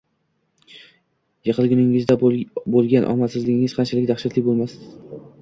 Yiqilguningizda bo’lgan omadsizligingiz qanchalik daxshatli bo’lmasiz